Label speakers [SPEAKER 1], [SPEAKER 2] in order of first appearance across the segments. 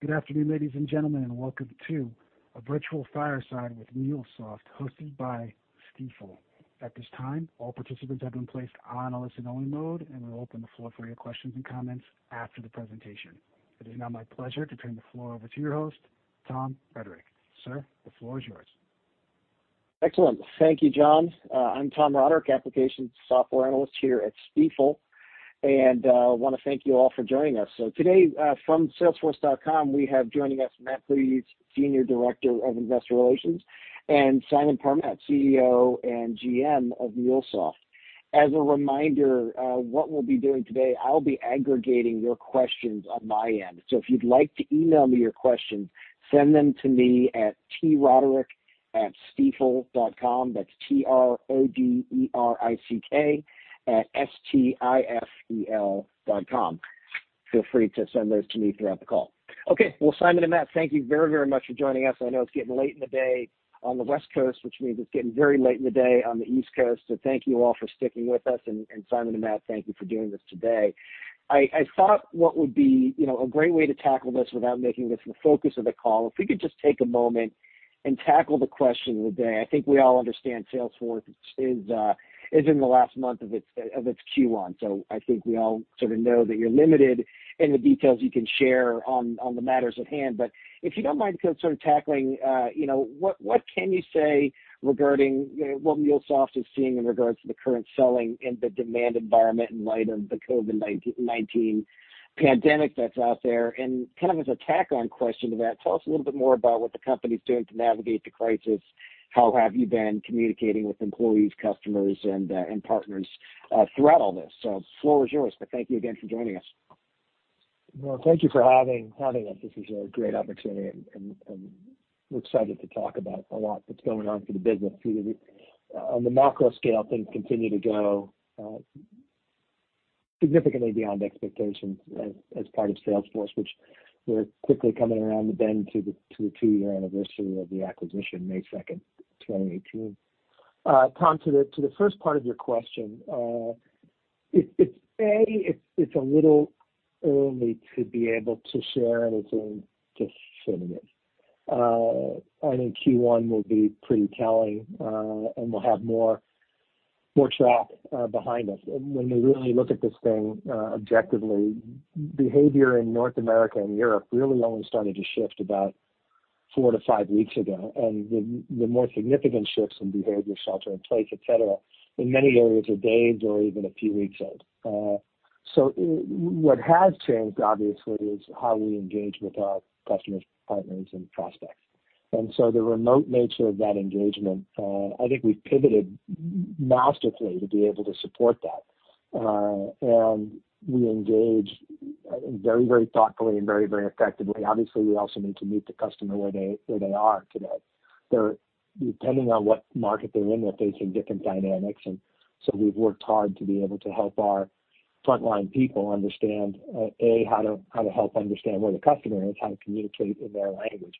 [SPEAKER 1] Good afternoon, ladies and gentlemen, and welcome to a virtual fireside with MuleSoft, hosted by Stifel. At this time, all participants have been placed on a listen-only mode, and we'll open the floor for your questions and comments after the presentation. It is now my pleasure to turn the floor over to your host, Tom Roderick. Sir, the floor is yours.
[SPEAKER 2] Excellent. Thank you, John. I'm Tom Roderick, application software analyst here at Stifel, and want to thank you all for joining us. Today, from Salesforce, we have joining us Mike Reeve, SVP, Investor Relations, and Simon Parmeter, CEO and GM of MuleSoft. As a reminder, what we'll be doing today, I'll be aggregating your questions on my end. If you'd like to email me your questions, send them to me at troderick@stifel.com. That's T-R-O-D-E-R-I-C-K at S-T-I-F-E-L.com. Feel free to send those to me throughout the call. Well, Simon and Mike, thank you very much for joining us. I know it's getting late in the day on the West Coast, which means it's getting very late in the day on the East Coast. Thank you all for sticking with us, and Simon and Mike, thank you for doing this today. I thought what would be a great way to tackle this without making this the focus of the call, if we could just take a moment and tackle the question of the day. I think we all understand Salesforce is in the last month of its Q1, so I think we all sort of know that you're limited in the details you can share on the matters at hand. If you don't mind sort of tackling, what can you say regarding what MuleSoft is seeing in regards to the current selling in the demand environment in light of the COVID-19 pandemic that's out there? Kind of as a tack-on question to that, tell us a little bit more about what the company's doing to navigate the crisis. How have you been communicating with employees, customers, and partners throughout all this? The floor is yours, but thank you again for joining us.
[SPEAKER 3] Well, thank you for having us. This is a great opportunity, and we're excited to talk about a lot that's going on for the business. On the macro scale, things continue to go significantly beyond expectations as part of Salesforce, which we're quickly coming around the bend to the two-year anniversary of the acquisition, May 2nd, 2018. Tom, to the first part of your question, A, it's a little early to be able to share anything definitive. I think Q1 will be pretty telling, and we'll have more track behind us. When you really look at this thing objectively, behavior in North America and Europe really only started to shift about four to five weeks ago, and the more significant shifts in behavior, shelter in place, et cetera, in many areas are days or even a few weeks old. What has changed, obviously, is how we engage with our customers, partners, and prospects. The remote nature of that engagement, I think we've pivoted masterfully to be able to support that. We engage very thoughtfully and very effectively. Obviously, we also need to meet the customer where they are today. Depending on what market they're in, they're facing different dynamics, and so we've worked hard to be able to help our frontline people understand, A, how to help understand where the customer is, how to communicate in their language,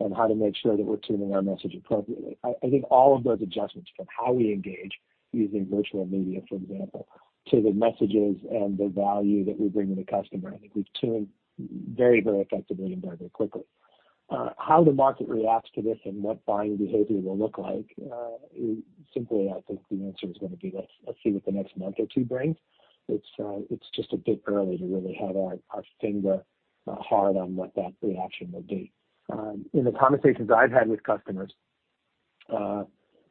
[SPEAKER 3] and how to make sure that we're tuning our message appropriately. I think all of those adjustments, from how we engage using virtual media, for example, to the messages and the value that we bring to the customer, I think we've tuned very effectively and very quickly. How the market reacts to this and what buying behavior will look like, simply I think the answer is going to be, let's see what the next month or two brings. It's just a bit early to really have our finger hard on what that reaction will be. In the conversations I've had with customers,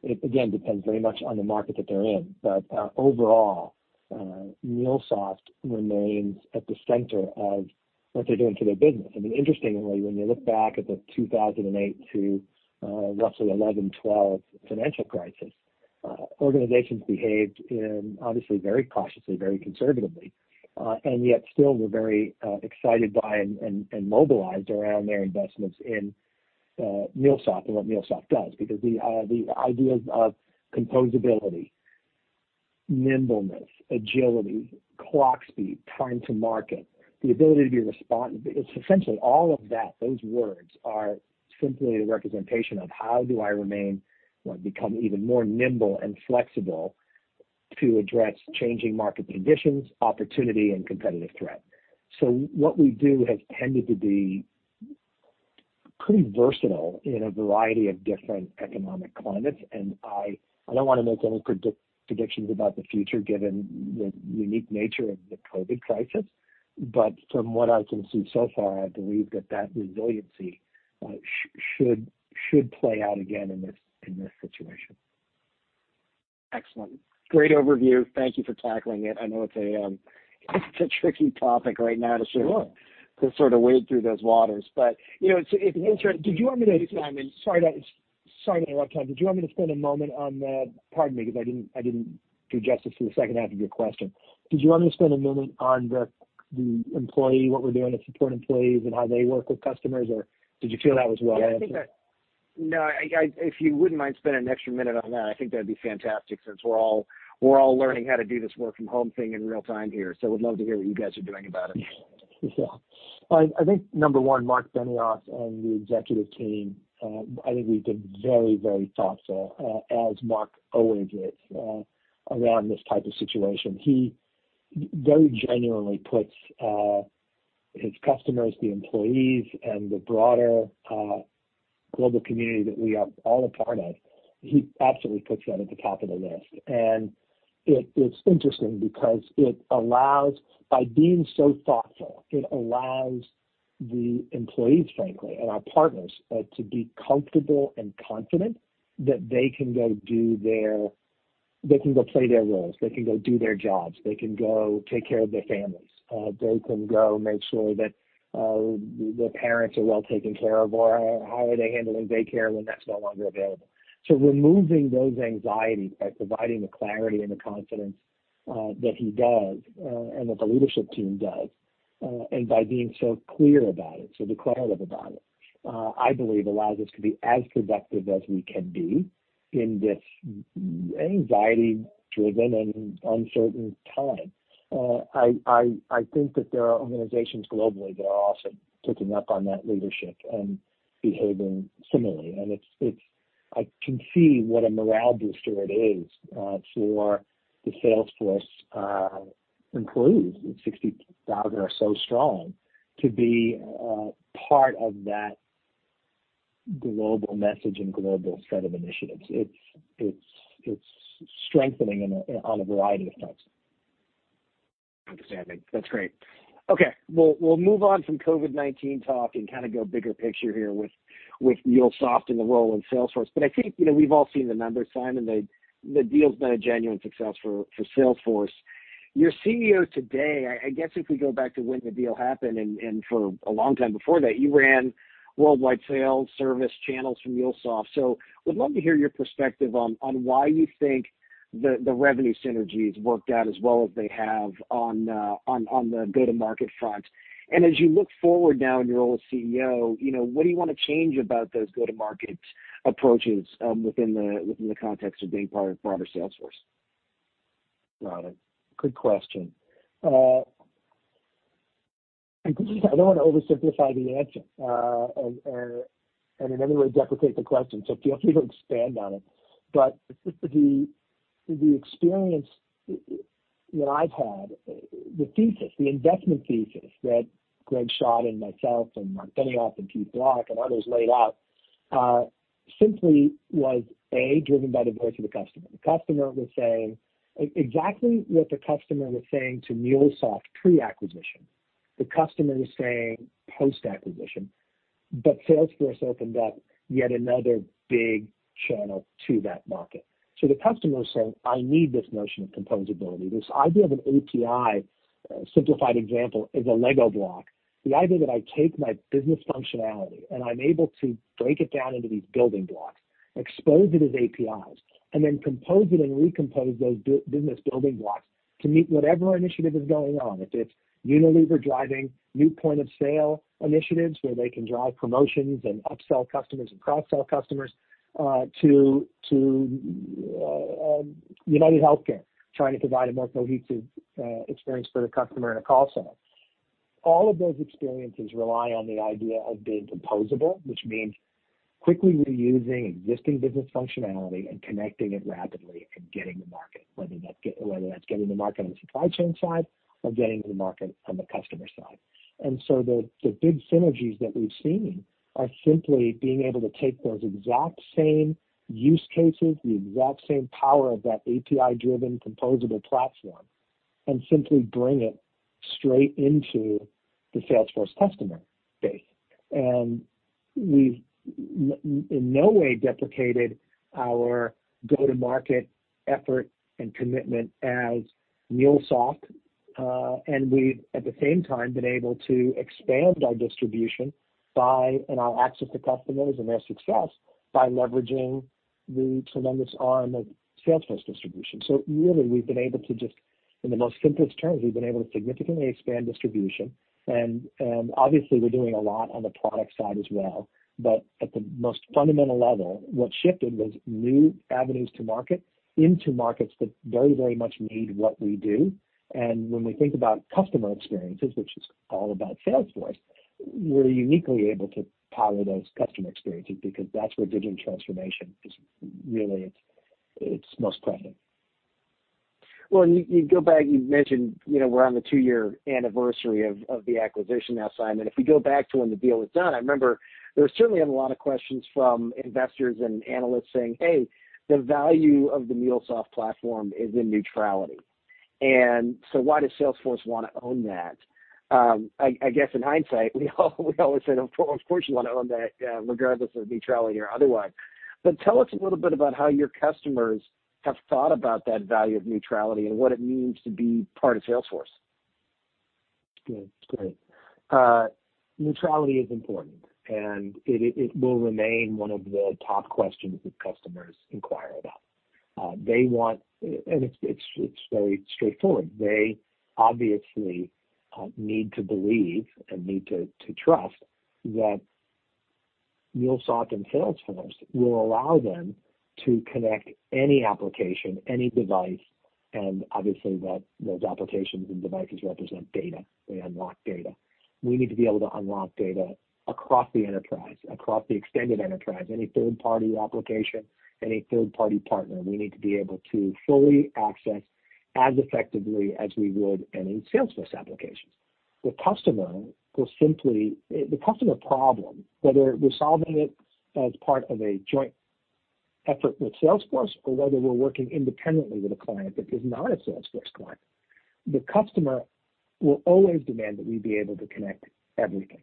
[SPEAKER 3] it again depends very much on the market that they're in. Overall, MuleSoft remains at the center of what they're doing for their business. I mean, interestingly, when you look back at the 2008 to roughly 2011, 2012 financial crisis, organizations behaved obviously very cautiously, very conservatively, and yet still were very excited by and mobilized around their investments in MuleSoft and what MuleSoft does. The ideas of composability, nimbleness, agility, clock speed, time to market, the ability to be responsive, it's essentially all of that. Those words are simply a representation of how do I remain or become even more nimble and flexible to address changing market conditions, opportunity, and competitive threat. What we do has tended to be pretty versatile in a variety of different economic climates, and I don't want to make any predictions about the future given the unique nature of the COVID crisis, but from what I can see so far, I believe that that resiliency should play out again in this situation.
[SPEAKER 2] Excellent. Great overview. Thank you for tackling it. I know it's a tricky topic right now.
[SPEAKER 3] Sure
[SPEAKER 2] wade through those waters.
[SPEAKER 3] Sorry to interrupt, Tom. Did you want me to spend a moment? Pardon me, because I didn't do justice to the second half of your question. Did you want me to spend a moment on the employee, what we're doing to support employees and how they work with customers, or did you feel that was well answered?
[SPEAKER 2] Yeah, I think No, if you wouldn't mind spending an extra minute on that, I think that'd be fantastic since we're all learning how to do this work from home thing in real-time here. We'd love to hear what you guys are doing about it.
[SPEAKER 3] I think number 1, Marc Benioff and the executive team, I think we've been very thoughtful, as Marc always is, around this type of situation. He very genuinely puts his customers, the employees, and the broader global community that we are all a part of, he absolutely puts that at the top of the list. It's interesting because by being so thoughtful, it allows the employees, frankly, and our partners to be comfortable and confident that they can go play their roles, they can go do their jobs, they can go take care of their families. They can go make sure that their parents are well taken care of, or how are they handling daycare when that's no longer available. Removing those anxieties by providing the clarity and the confidence that he does, and that the leadership team does, and by being so clear about it, so declarative about it, I believe allows us to be as productive as we can be in this anxiety-driven and uncertain time. I think that there are organizations globally that are also taking up on that leadership and behaving similarly. I can see what a morale booster it is for the Salesforce employees, the 60,000 are so strong to be part of that global message and global set of initiatives. It's strengthening on a variety of fronts.
[SPEAKER 2] Understanding. That's great. Okay. We'll move on from COVID-19 talk and go bigger picture here with MuleSoft and the role in Salesforce. I think we've all seen the numbers, Simon, the deal's been a genuine success for Salesforce. You're CEO today, I guess if we go back to when the deal happened, and for a long time before that, you ran worldwide sales, service channels for MuleSoft. Would love to hear your perspective on why you think the revenue synergies worked out as well as they have on the go-to-market front. As you look forward now in your role as CEO, what do you want to change about those go-to-market approaches within the context of being part of broader Salesforce?
[SPEAKER 3] Got it. Good question. I don't want to oversimplify the answer, and in any way deprecate the question, so feel free to expand on it. The experience that I've had, the thesis, the investment thesis that Greg Schott and myself and Marc Benioff and Keith Block and others laid out, simply was, A, driven by the voice of the customer. Exactly what the customer was saying to MuleSoft pre-acquisition, the customer was saying post-acquisition, but Salesforce opened up yet another big channel to that market. The customer was saying, "I need this notion of composability," this idea of an API, a simplified example, is a Lego block. The idea that I take my business functionality and I'm able to break it down into these building blocks, expose it as APIs, and then compose it and recompose those business building blocks to meet whatever initiative is going on. If it's Unilever driving new point-of-sale initiatives where they can drive promotions and upsell customers and cross-sell customers, to UnitedHealthcare, trying to provide a more cohesive experience for the customer in a call center. All of those experiences rely on the idea of being composable, which means quickly reusing existing business functionality and connecting it rapidly and getting to market, whether that's getting to market on the supply chain side or getting to market on the customer side. The big synergies that we've seen are simply being able to take those exact same use cases, the exact same power of that API-driven composable platform, and simply bring it straight into the Salesforce customer base. We've, in no way, deprecated our go-to-market effort and commitment as MuleSoft. We've, at the same time, been able to expand our distribution and our access to customers and their success by leveraging the tremendous arm of Salesforce distribution. Really, we've been able to just, in the most simplest terms, we've been able to significantly expand distribution, and obviously, we're doing a lot on the product side as well. At the most fundamental level, what shifted was new avenues to market into markets that very, very much need what we do. When we think about customer experiences, which is all about Salesforce, we're uniquely able to power those customer experiences because that's where digital transformation is really, it's most prevalent.
[SPEAKER 2] You go back, you mentioned we're on the two-year anniversary of the acquisition now, Simon Parmeter. If we go back to when the deal was done, I remember there certainly have a lot of questions from investors and analysts saying, "Hey, the value of the MuleSoft platform is in neutrality." Why does Salesforce want to own that? I guess in hindsight, we always say, "Of course you want to own that, regardless of neutrality or otherwise." Tell us a little bit about how your customers have thought about that value of neutrality, and what it means to be part of Salesforce.
[SPEAKER 3] Great. Neutrality is important, it will remain one of the top questions that customers inquire about. It's very straightforward. They obviously need to believe and need to trust that MuleSoft and Salesforce will allow them to connect any application, any device, obviously those applications and devices represent data. They unlock data. We need to be able to unlock data across the enterprise, across the extended enterprise, any third-party application, any third-party partner. We need to be able to fully access as effectively as we would any Salesforce application. The customer problem, whether we're solving it as part of a joint effort with Salesforce or whether we're working independently with a client that is not a Salesforce client, the customer will always demand that we be able to connect everything.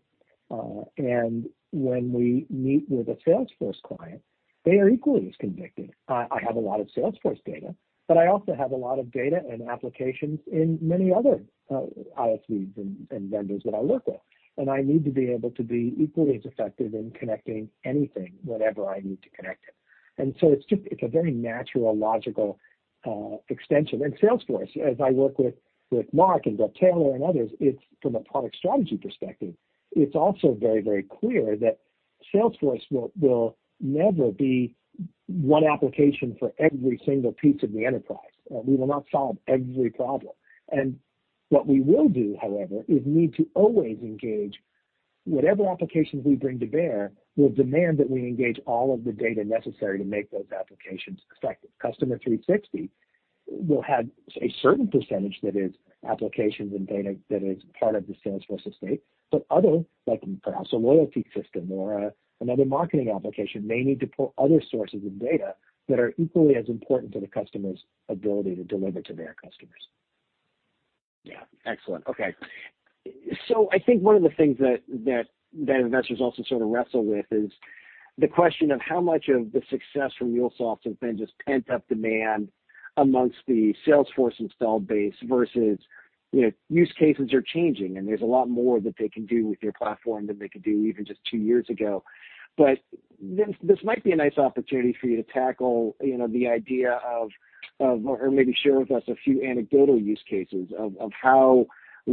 [SPEAKER 3] When we meet with a Salesforce client, they are equally as convicted. I have a lot of Salesforce data, but I also have a lot of data and applications in many other ISVs and vendors that I work with, and I need to be able to be equally as effective in connecting anything, whatever I need to connect it. It's a very natural, logical extension. Salesforce, as I work with Marc and with Taylor and others, from a product strategy perspective, it's also very clear that Salesforce will never be one application for every single piece of the enterprise. We will not solve every problem. What we will do, however, is need to always engage. Whatever applications we bring to bear will demand that we engage all of the data necessary to make those applications effective. Customer 360 will have a certain percentage that is applications and data that is part of the Salesforce estate. Other, like perhaps a loyalty system or another marketing application, may need to pull other sources of data that are equally as important to the customer's ability to deliver to their customers.
[SPEAKER 2] Yeah. Excellent. Okay. I think one of the things that investors also sort of wrestle with is the question of how much of the success from MuleSoft has been just pent-up demand amongst the Salesforce installed base versus use cases are changing, and there's a lot more that they can do with your platform than they could do even just two years ago. This might be a nice opportunity for you to tackle the idea of, or maybe share with us a few anecdotal use cases of how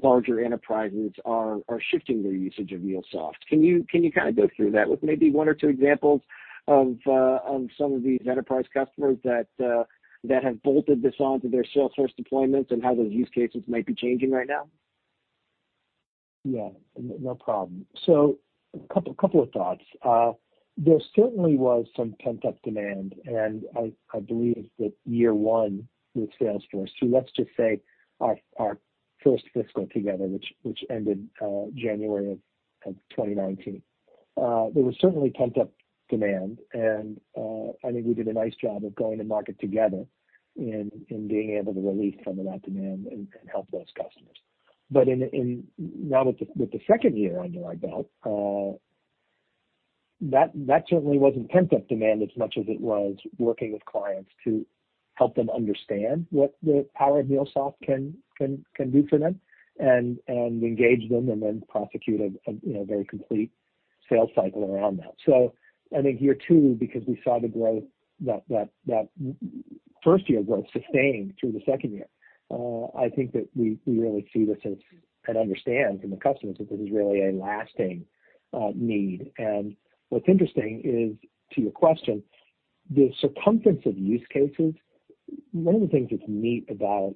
[SPEAKER 2] larger enterprises are shifting their usage of MuleSoft. Can you go through that with maybe one or two examples of some of these enterprise customers that have bolted this onto their Salesforce deployments and how those use cases might be changing right now?
[SPEAKER 3] Yeah, no problem. A couple of thoughts. There certainly was some pent-up demand, and I believe that year one with Salesforce, so let's just say our first fiscal together, which ended January of 2019. There was certainly pent-up demand, and I think we did a nice job of going to market together and being able to release some of that demand and help those customers. Now with the second year under our belt, that certainly wasn't pent-up demand as much as it was working with clients to help them understand what the power of MuleSoft can do for them and engage them and then prosecute a very complete sales cycle around that. I think year two, because we saw that first-year growth sustained through the second year, I think that we really see this as, and understand from the customers, that this is really a lasting need. What's interesting is, to your question, the circumference of use cases. One of the things that's neat about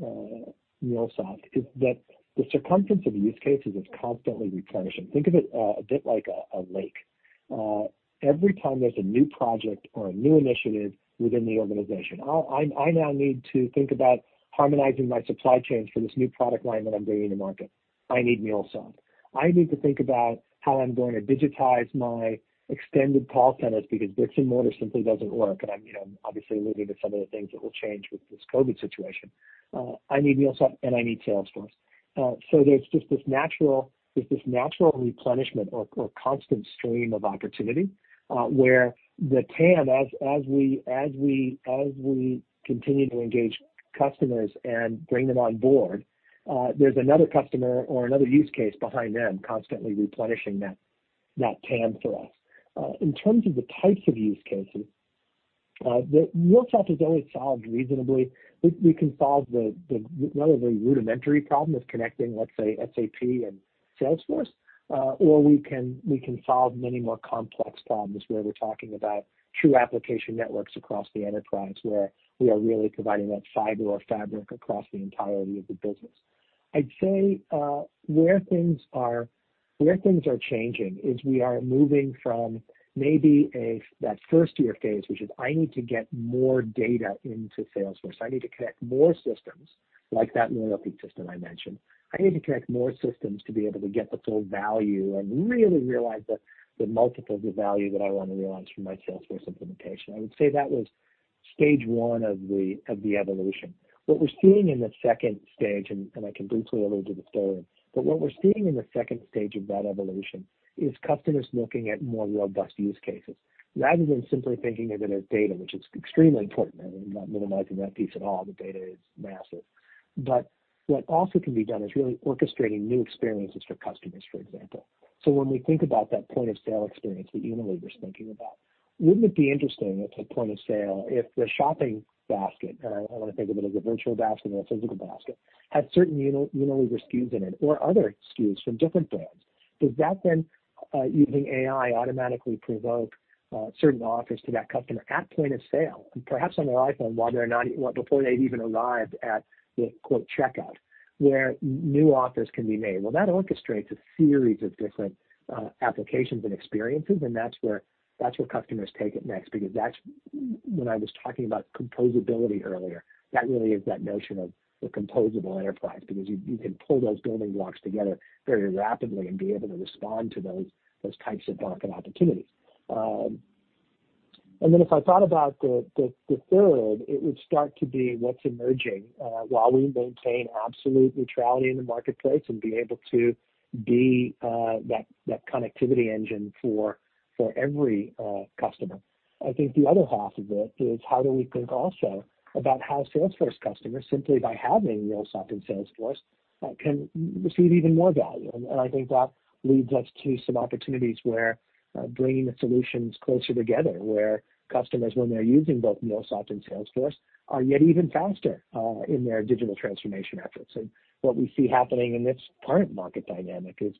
[SPEAKER 3] MuleSoft is that the circumference of use cases is constantly replenishing. Think of it a bit like a lake. Every time there's a new project or a new initiative within the organization, I now need to think about harmonizing my supply chains for this new product line that I'm bringing to market. I need MuleSoft. I need to think about how I'm going to digitize my extended call centers, because bricks and mortar simply doesn't work. I'm obviously alluding to some of the things that will change with this COVID situation. I need MuleSoft, and I need Salesforce. There's just this natural replenishment or constant stream of opportunity, where the TAM, as we continue to engage customers and bring them on board, there's another customer or another use case behind them constantly replenishing that TAM for us. In terms of the types of use cases, MuleSoft has always solved reasonably. We can solve the relatively rudimentary problem of connecting, let's say, SAP and Salesforce, or we can solve many more complex problems where we're talking about true application networks across the enterprise, where we are really providing that fiber or fabric across the entirety of the business. I'd say where things are changing is we are moving from maybe that first-year phase, which is I need to get more data into Salesforce. I need to connect more systems like that loyalty system I mentioned. I need to connect more systems to be able to get the full value and really realize the multiple, the value that I want to realize from my Salesforce implementation. I would say that was stage 1 of the evolution. What we're seeing in the second stage, and I can briefly allude to the third, but what we're seeing in the second stage of that evolution is customers looking at more robust use cases rather than simply thinking of it as data, which is extremely important. I'm not minimizing that piece at all. The data is massive. What also can be done is really orchestrating new experiences for customers, for example. When we think about that point-of-sale experience that Unilever's thinking about, wouldn't it be interesting at the point of sale if the shopping basket, and I want to think of it as a virtual basket or a physical basket, had certain Unilever SKUs in it, or other SKUs from different brands? Does that then, using AI, automatically provoke certain offers to that customer at point of sale, and perhaps on their iPhone before they've even arrived at the "checkout," where new offers can be made. That orchestrates a series of different applications and experiences, and that's where customers take it next, because that's when I was talking about composability earlier. That really is that notion of the composable enterprise, because you can pull those building blocks together very rapidly and be able to respond to those types of market opportunities. If I thought about the third, it would start to be what's emerging. While we maintain absolute neutrality in the marketplace and be able to be that connectivity engine for every customer. I think the other half of it is how do we think also about how Salesforce customers, simply by having MuleSoft and Salesforce, can receive even more value. I think that leads us to some opportunities where bringing the solutions closer together, where customers, when they're using both MuleSoft and Salesforce, are yet even faster in their digital transformation efforts. What we see happening in this current market dynamic is,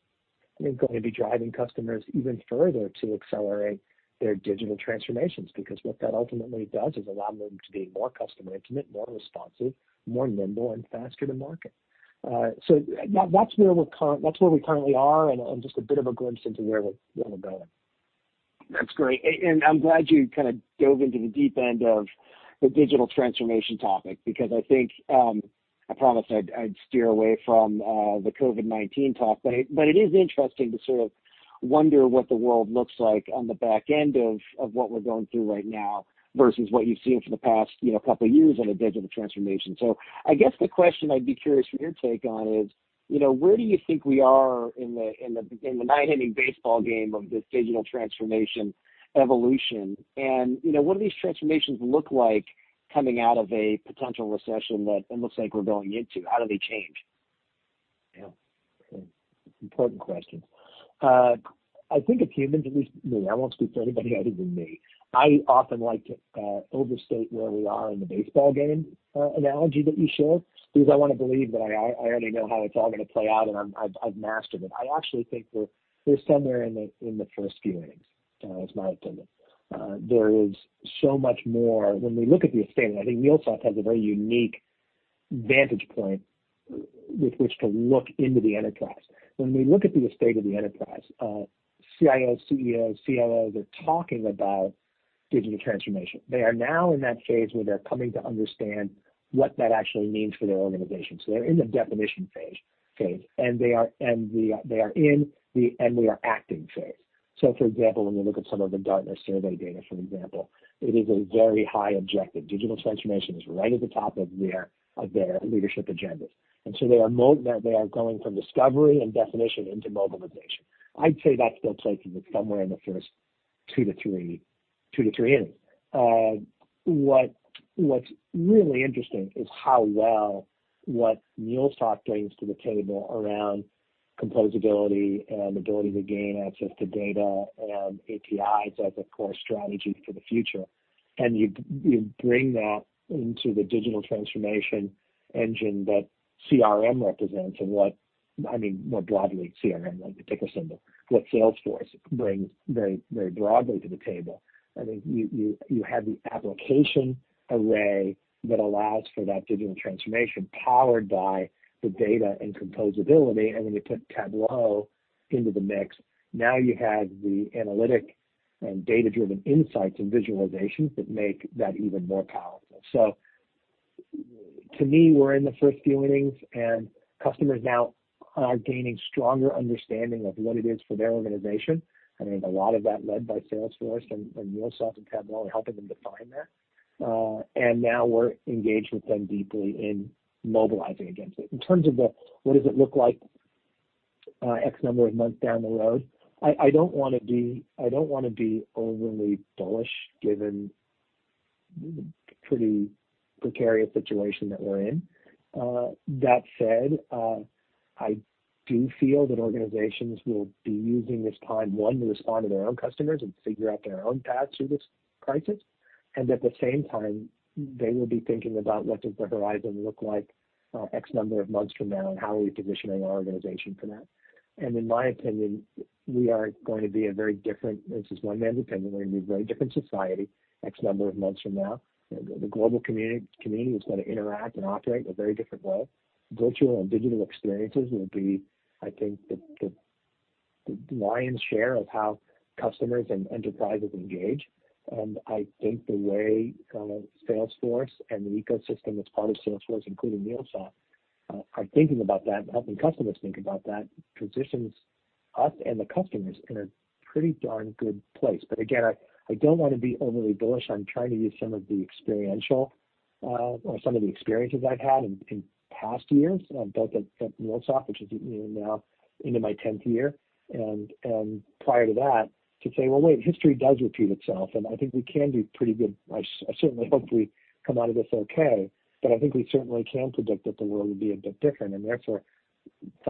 [SPEAKER 3] I think, going to be driving customers even further to accelerate their digital transformations, because what that ultimately does is allow them to be more customer intimate, more responsive, more nimble, and faster to market. That's where we currently are and just a bit of a glimpse into where we're going.
[SPEAKER 2] That's great. I'm glad you kind of dove into the deep end of the digital transformation topic, because I think, I promised I'd steer away from the COVID-19 talk. It is interesting to sort of wonder what the world looks like on the back end of what we're going through right now versus what you've seen for the past couple of years on a digital transformation. I guess the question I'd be curious for your take on is, where do you think we are in the nine-inning baseball game of this digital transformation evolution? What do these transformations look like coming out of a potential recession that it looks like we're going into? How do they change?
[SPEAKER 3] Yeah. Important questions. I think as humans, at least me, I won't speak for anybody other than me. I often like to overstate where we are in the baseball game analogy that you shared, because I want to believe that I already know how it's all going to play out and I've mastered it. I actually think we're somewhere in the first few innings. It's my opinion. There is so much more. When we look at the estate, I think MuleSoft has a very unique vantage point with which to look into the enterprise. When we look at the estate of the enterprise, CIOs, CEOs, CTOs are talking about digital transformation. They are now in that phase where they're coming to understand what that actually means for their organization. They're in the definition phase. They are in the acting phase. For example, when we look at some of the Gartner survey data, for example, it is a very high objective. Digital transformation is right at the top of their leadership agendas. They are going from discovery and definition into mobilization. I'd say that's their place, and it's somewhere in the first 2 to 3 innings. What's really interesting is how well what MuleSoft brings to the table around composability and the ability to gain access to data and APIs as a core strategy for the future. You bring that into the digital transformation engine that CRM represents and what, I mean, more broadly, CRM, like the ticker symbol, what Salesforce brings very broadly to the table. I think you have the application array that allows for that digital transformation powered by the data and composability. When you put Tableau into the mix, now you have the analytic and data-driven insights and visualizations that make that even more powerful. To me, we're in the first few innings, and customers now are gaining stronger understanding of what it is for their organization, and a lot of that led by Salesforce and MuleSoft and Tableau helping them define that. Now we're engaged with them deeply in mobilizing against it. In terms of the what does it look like X number of months down the road? I don't want to be overly bullish given the pretty precarious situation that we're in. That said, I do feel that organizations will be using this time, one, to respond to their own customers and figure out their own path through this crisis. At the same time, they will be thinking about what does the horizon look like X number of months from now, and how are we positioning our organization for that? In my opinion, we are going to be a very different, this is one man's opinion, we're going to be a very different society X number of months from now. The global community is going to interact and operate in a very different way. Virtual and digital experiences will be, I think, the lion's share of how customers and enterprises engage. I think the way Salesforce and the ecosystem that's part of Salesforce, including MuleSoft, are thinking about that and helping customers think about that, positions us and the customers in a pretty darn good place. Again, I don't want to be overly bullish. I'm trying to use some of the experiential or some of the experiences I've had in past years, both at MuleSoft, which is now into my 10th year, and prior to that, to say, well, wait, history does repeat itself, and I think we can do pretty good. I certainly hope we come out of this okay, but I think we certainly can predict that the world will be a bit different. Therefore,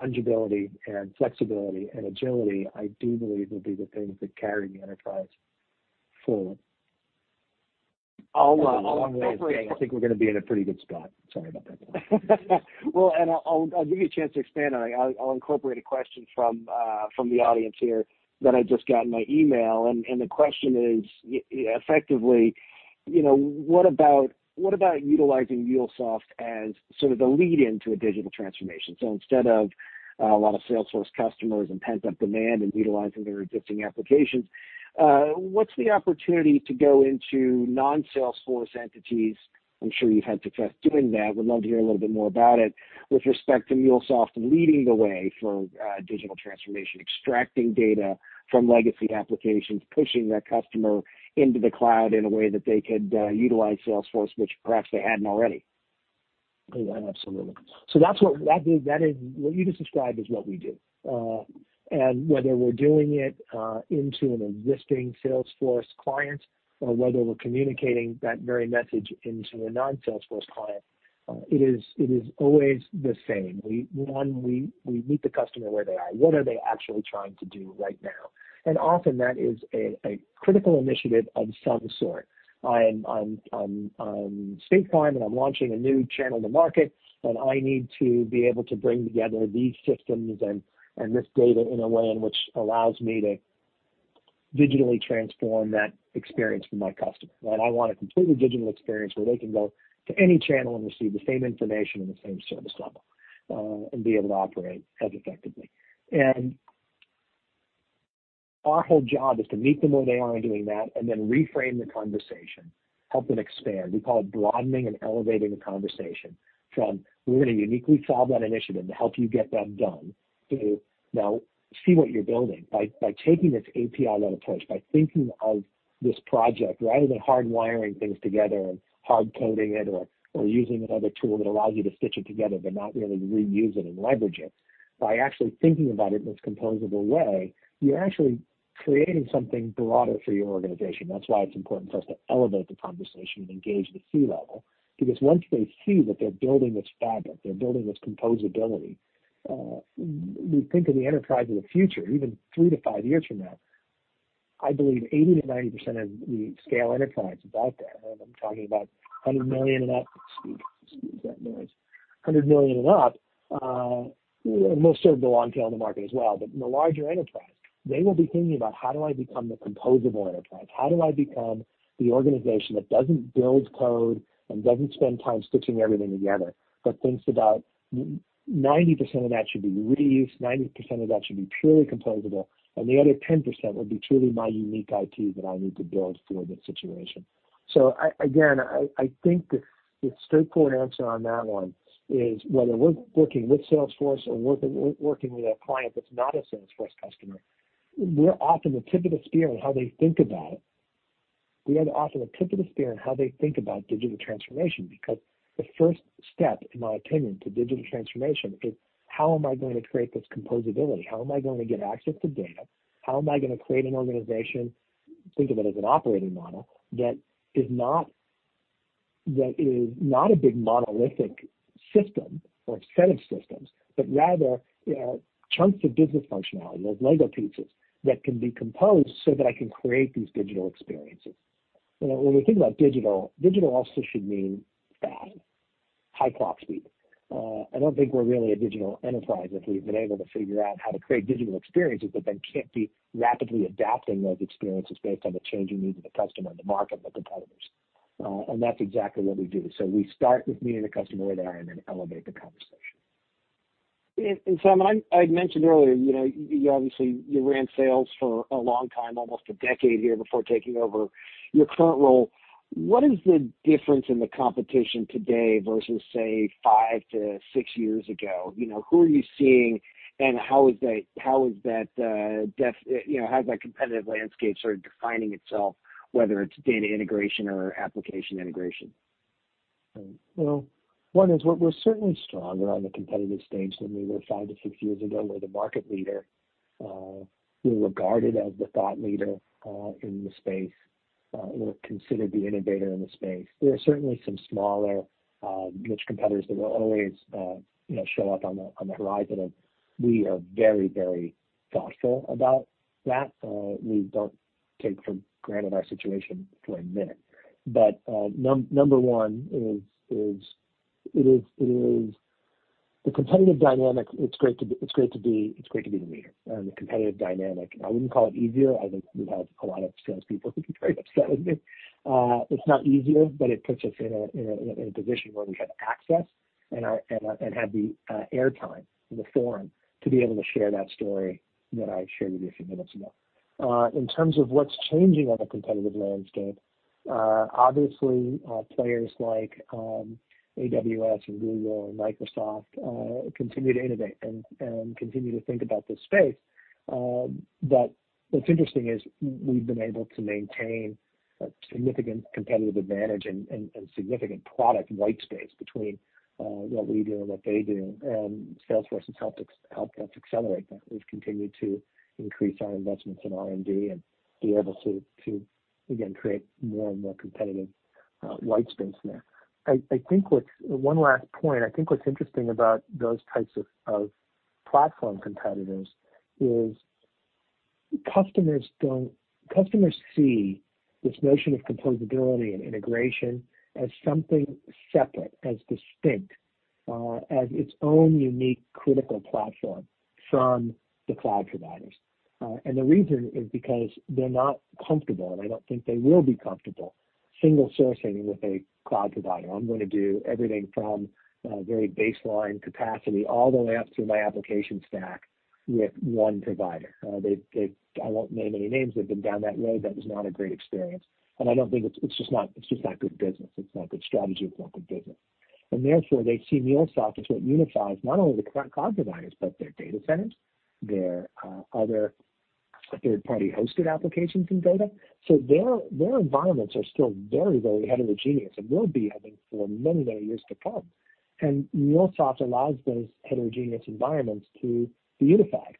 [SPEAKER 3] fungibility and flexibility and agility, I do believe, will be the things that carry the enterprise forward.
[SPEAKER 2] I'll incorporate-
[SPEAKER 3] A long way of saying, I think we're going to be in a pretty good spot. Sorry about that.
[SPEAKER 2] I'll give you a chance to expand on it. I'll incorporate a question from the audience here that I just got in my email, and the question is effectively, what about utilizing MuleSoft as sort of the lead into a digital transformation? Instead of a lot of Salesforce customers and pent-up demand and utilizing their existing applications, what's the opportunity to go into non-Salesforce entities? I'm sure you've had success doing that. Would love to hear a little bit more about it with respect to MuleSoft leading the way for digital transformation, extracting data from legacy applications, pushing that customer into the cloud in a way that they could utilize Salesforce, which perhaps they hadn't already.
[SPEAKER 3] Yeah, absolutely. What you just described is what we do. Whether we're doing it into an existing Salesforce client or whether we're communicating that very message into a non-Salesforce client, it is always the same. One, we meet the customer where they are. What are they actually trying to do right now? Often that is a critical initiative of some sort. I'm State Farm, and I'm launching a new channel to market, and I need to be able to bring together these systems and this data in a way in which allows me to digitally transform that experience for my customer. I want a completely digital experience where they can go to any channel and receive the same information and the same service level, and be able to operate as effectively. Our whole job is to meet them where they are in doing that, then reframe the conversation, help them expand. We call it broadening and elevating the conversation from, we're going to uniquely solve that initiative to help you get that done, to now see what you're building by taking this API-led approach, by thinking of this project, rather than hardwiring things together and hard coding it or using another tool that allows you to stitch it together but not really reuse it and leverage it. Actually thinking about it in this composable way, you're actually creating something broader for your organization. That's why it's important for us to elevate the conversation and engage the C-level. Once they see that they're building this fabric, they're building this composability, we think of the enterprise of the future, even three to five years from now, I believe 80%-90% of the scale enterprise above that, and I'm talking about $100 million and up. Excuse that noise. $100 million and up, we'll serve the long tail in the market as well. In the larger enterprise, they will be thinking about how do I become the composable enterprise? How do I become the organization that doesn't build code and doesn't spend time stitching everything together, but thinks about 90% of that should be reused, 90% of that should be purely composable, and the other 10% would be truly my unique IT that I need to build for this situation. Again, I think the straightforward answer on that one is whether we're working with Salesforce or working with a client that's not a Salesforce customer, we're often the tip of the spear in how they think about it. We are often the tip of the spear in how they think about digital transformation, because the first step, in my opinion, to digital transformation is how am I going to create this composability? How am I going to get access to data? How am I going to create an organization, think of it as an operating model, that is not a big monolithic system or set of systems, but rather chunks of business functionality, those Lego pieces, that can be composed so that I can create these digital experiences. When we think about digital also should mean fast, high clock speed. I don't think we're really a digital enterprise if we've been able to figure out how to create digital experiences, but then can't be rapidly adapting those experiences based on the changing needs of the customer and the market and the competitors. That's exactly what we do. We start with meeting the customer where they are and then elevate the conversation.
[SPEAKER 2] Tom, I mentioned earlier, you obviously ran sales for a long time, almost a decade here before taking over your current role. What is the difference in the competition today versus, say, 5-6 years ago? Who are you seeing, and how is that competitive landscape sort of defining itself, whether it's data integration or application integration?
[SPEAKER 3] One is we're certainly stronger on the competitive stage than we were five to six years ago. We're the market leader. We're regarded as the thought leader in the space. We're considered the innovator in the space. There are certainly some smaller niche competitors that will always show up on the horizon, and we are very thoughtful about that. We don't take for granted our situation for a minute. Number 1 is the competitive dynamic, it's great to be the leader in the competitive dynamic. I wouldn't call it easier. I think we'd have a lot of salespeople who'd be very upset with me. It's not easier, but it puts us in a position where we have access and have the air time and the forum to be able to share that story that I shared with you a few minutes ago. In terms of what's changing on the competitive landscape, obviously, players like AWS and Google and Microsoft continue to innovate and continue to think about this space. What's interesting is we've been able to maintain a significant competitive advantage and significant product white space between what we do and what they do. Salesforce has helped us accelerate that. We've continued to increase our investments in R&D and be able to, again, create more and more competitive white space there. One last point. I think what's interesting about those types of platform competitors is. Customers see this notion of composability and integration as something separate, as distinct, as its own unique critical platform from the cloud providers. The reason is because they're not comfortable, and I don't think they will be comfortable single-sourcing with a cloud provider. I'm going to do everything from very baseline capacity all the way up through my application stack with one provider. I won't name any names. They've been down that road. That was not a great experience. It's just not good business. It's not good strategy. It's not good business. Therefore, they see MuleSoft as what unifies not only the cloud providers, but their data centers, their other third-party-hosted applications and data. Their environments are still very, very heterogeneous and will be, I think, for many, many years to come. MuleSoft allows those heterogeneous environments to be unified.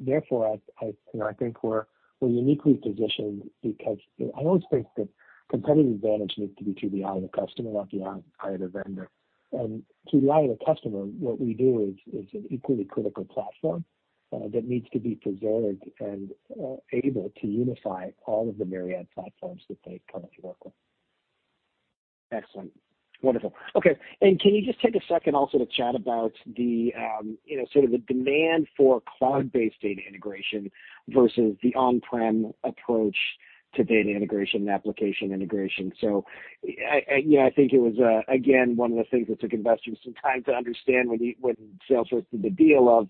[SPEAKER 3] Therefore, I think we're uniquely positioned because I always think that competitive advantage needs to be to the eye of the customer, not the eye of the vendor. To the eye of the customer, what we do is an equally critical platform that needs to be preserved and able to unify all of the myriad platforms that they currently work with.
[SPEAKER 2] Excellent. Wonderful. Okay. Can you just take a second also to chat about the demand for cloud-based data integration versus the on-prem approach to data integration and application integration? I think it was, again, one of the things that took investors some time to understand when Salesforce did the deal of,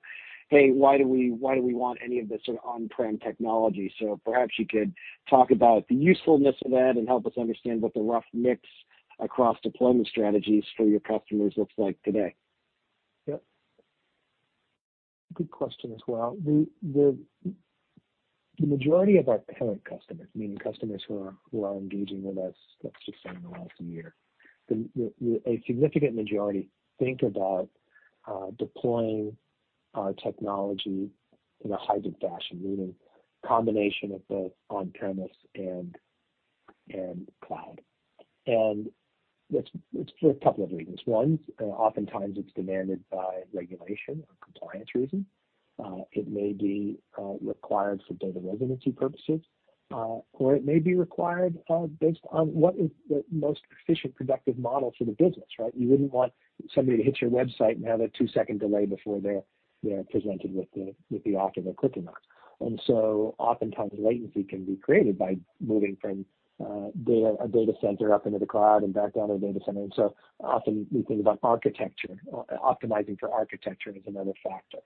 [SPEAKER 2] "Hey, why do we want any of this on-prem technology?" Perhaps you could talk about the usefulness of that and help us understand what the rough mix across deployment strategies for your customers looks like today.
[SPEAKER 3] Yeah. Good question as well. The majority of our current customers, meaning customers who are engaging with us, let's just say, in the last year, a significant majority think about deploying our technology in a hybrid fashion, meaning combination of both on-premise and cloud. It's for a couple of reasons. One, oftentimes it's demanded by regulation or compliance reason. It may be required for data residency purposes, or it may be required based on what is the most efficient, productive model for the business, right? You wouldn't want somebody to hit your website and have a two-second delay before they're presented with the offer they're clicking on. Oftentimes, latency can be created by moving from a data center up into the cloud and back down to a data center. Often we think about architecture. Optimizing for architecture is another factor.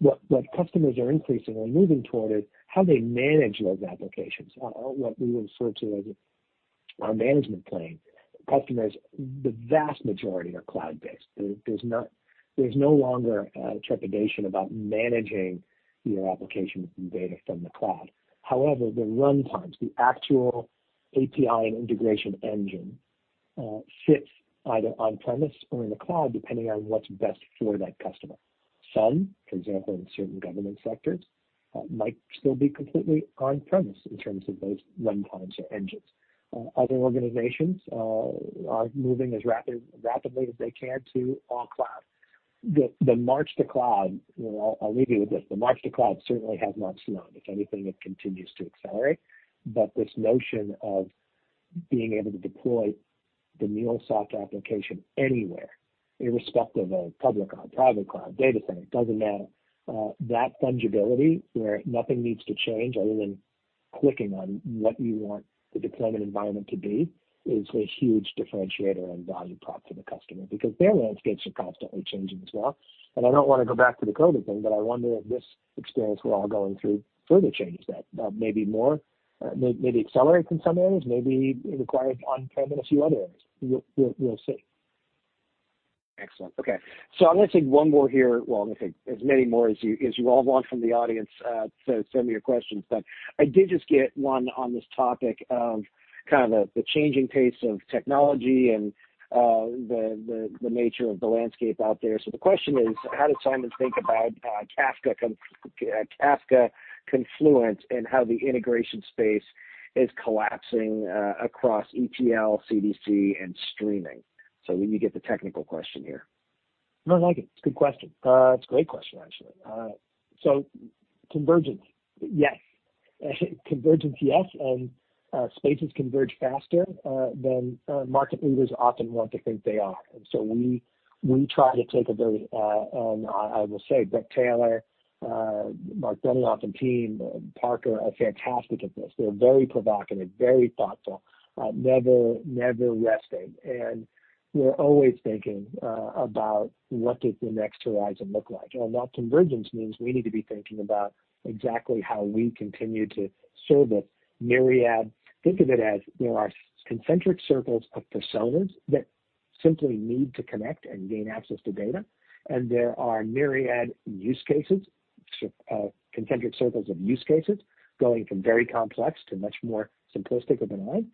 [SPEAKER 3] What customers are increasingly moving toward is how they manage those applications, what we refer to as our management plane. Customers, the vast majority are cloud-based. There's no longer a trepidation about managing your applications and data from the cloud. However, the runtimes, the actual API and integration engine, sits either on-premise or in the cloud, depending on what's best for that customer. Some, for example, in certain government sectors, might still be completely on-premise in terms of those runtimes or engines. Other organizations are moving as rapidly as they can to all cloud. The march to cloud, I'll leave you with this, the march to cloud certainly has not slowed. If anything, it continues to accelerate. This notion of being able to deploy the MuleSoft application anywhere, irrespective of public cloud, private cloud, data center, it doesn't matter. That fungibility, where nothing needs to change other than clicking on what you want the deployment environment to be, is a huge differentiator and value prop for the customer because their landscapes are constantly changing as well. I don't want to go back to the COVID thing, but I wonder if this experience we're all going through further changes that. Maybe more, maybe it accelerates in some areas, maybe it requires on-prem in a few other areas. We'll see.
[SPEAKER 2] Excellent. Okay. I'm going to take one more here. Well, I'm going to take as many more as you all want from the audience to send me your questions. I did just get one on this topic of kind of the changing pace of technology and the nature of the landscape out there. The question is, how does Simon think about Kafka Confluent and how the integration space is collapsing across ETL, CDC, and streaming? We get the technical question here.
[SPEAKER 3] No, I like it. It's a good question. It's a great question, actually. Convergence, yes. Convergence, yes, spaces converge faster than market leaders often want to think they are. I will say Bret Taylor, Mark Dunlap and team, Parker, are fantastic at this. They're very provocative, very thoughtful, never resting. We're always thinking about what does the next horizon look like? What convergence means, we need to be thinking about exactly how we continue to serve a myriad. Think of it as there are concentric circles of personas that simply need to connect and gain access to data, and there are myriad use cases, concentric circles of use cases, going from very complex to much more simplistic API.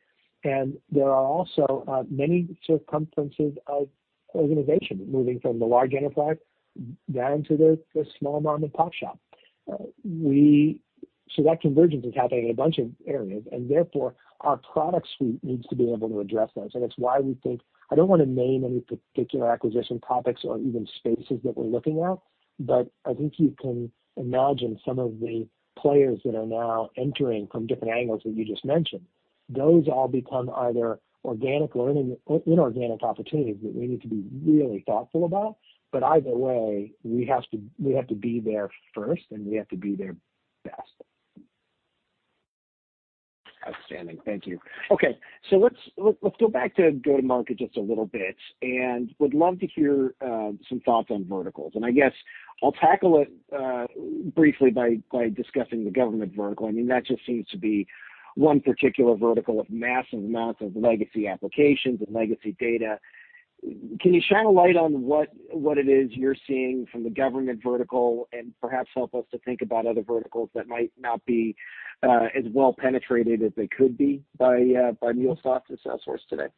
[SPEAKER 3] There are also many circumferences of organization, moving from the large enterprise down to the small mom-and-pop shop. That convergence is happening in a bunch of areas, and therefore our product suite needs to be able to address those. It's why we think, I don't want to name any particular acquisition topics or even spaces that we're looking at, but I think you can imagine some of the players that are now entering from different angles that you just mentioned. Those all become either organic or inorganic opportunities that we need to be really thoughtful about. Either way, we have to be there first, and we have to be there best.
[SPEAKER 2] Outstanding. Thank you. Okay. Let's go back to go-to-market just a little bit, and would love to hear some thoughts on verticals. I guess I'll tackle it briefly by discussing the government vertical. That just seems to be one particular vertical of massive amounts of legacy applications and legacy data. Can you shine a light on what it is you're seeing from the government vertical and perhaps help us to think about other verticals that might not be as well-penetrated as they could be by MuleSoft and Salesforce today?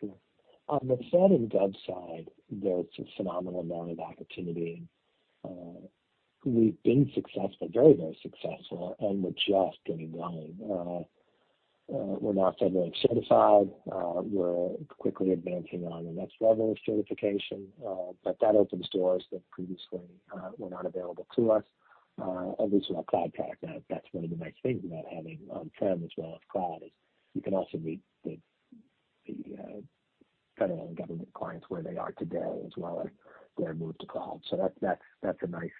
[SPEAKER 3] Sure. On the Fed and gov side, there's a phenomenal amount of opportunity. We've been successful. We're just getting going. We're now FedRAMP certified. We're quickly advancing on the next level of certification. That opens doors that previously were not available to us, at least in our cloud pack. That's one of the nice things about having on-prem as well as cloud is you can also meet the federal and government clients where they are today as well as their move to cloud. That's a nice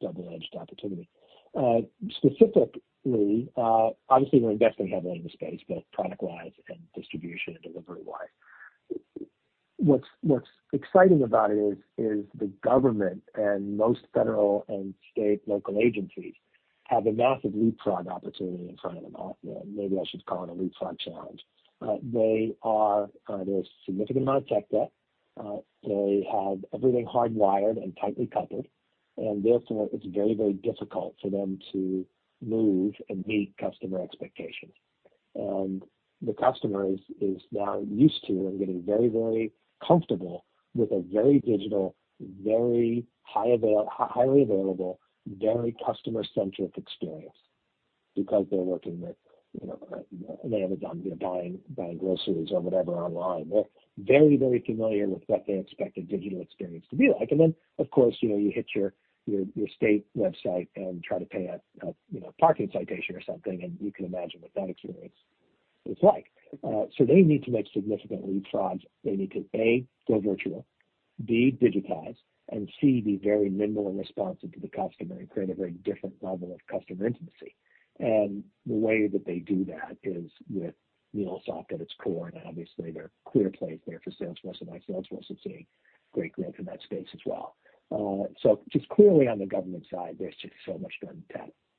[SPEAKER 3] double-edged opportunity. Specifically, obviously we're investing heavily in the space, both product-wise and distribution and delivery-wise. What's exciting about it is the government and most federal and state local agencies have a massive leapfrog opportunity in front of them. Maybe I should call it a leapfrog challenge. There's a significant amount of tech debt. They have everything hardwired and tightly coupled, and therefore it's very difficult for them to move and meet customer expectations. The customer is now used to and getting very comfortable with a very digital, very highly available, very customer-centric experience because they're working with Amazon, they're buying groceries or whatever online. They're very familiar with what they expect a digital experience to be like. Then, of course, you hit your state website and try to pay a parking citation or something, and you can imagine what that experience is like. They need to make significant leapfrogs. They need to, A, go virtual, B, digitize, and C, be very nimble and responsive to the customer and create a very different level of customer intimacy. The way that they do that is with MuleSoft at its core. Obviously, there are clear plays there for Salesforce, and by Salesforce it's seeing great growth in that space as well. Just clearly on the government side, there's just so much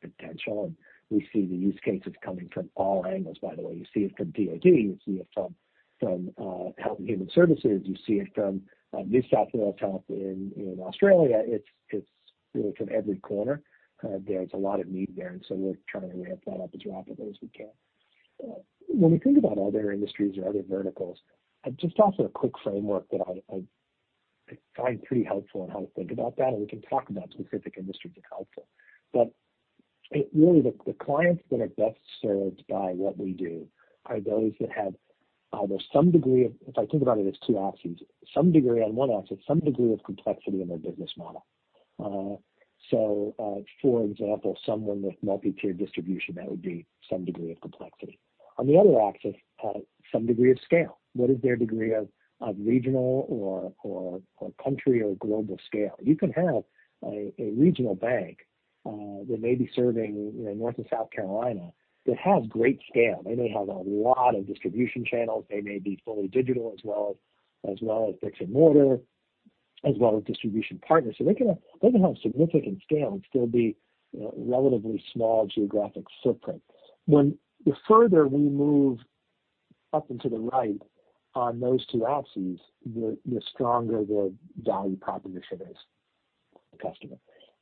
[SPEAKER 3] potential, and we see the use cases coming from all angles, by the way. You see it from DOD, you see it from Health and Human Services, you see it from New South Wales Health in Australia. It's really from every corner. There's a lot of need there, and so we're trying to ramp that up as rapidly as we can. When we think about other industries or other verticals, just also a quick framework that I find pretty helpful in how to think about that, and we can talk about specific industries if it's helpful. Really the clients that are best served by what we do are those that have either If I think about it as 2 axes, some degree on 1 axis, some degree of complexity in their business model. For example, someone with multi-tiered distribution, that would be some degree of complexity. On the other axis, some degree of scale. What is their degree of regional or country or global scale? You can have a regional bank that may be serving North and South Carolina that has great scale. They may have a lot of distribution channels. They may be fully digital as well as bricks and mortar, as well as distribution partners. They can have significant scale and still be a relatively small geographic footprint. The further we move up and to the right on those two axes, the stronger the value proposition is for the customer.